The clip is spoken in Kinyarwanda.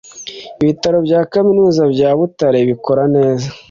ibitaro bya kaminuza bya butare bikora neza